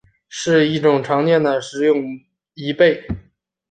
是一种常见的食用贻贝。